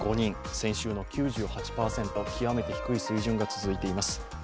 先週の９８％、極めて低い水準が続いています。